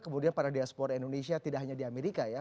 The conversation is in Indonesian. kemudian para diaspora indonesia tidak hanya di amerika ya